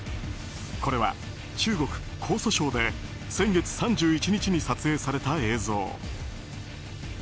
これは中国・江蘇省で先月３１日に撮影された映像。